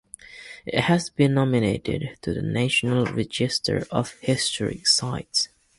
It has been nominated to the National Register of Historic Sites.